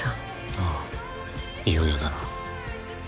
ああいよいよだな。